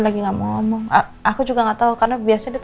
gak usah gak usah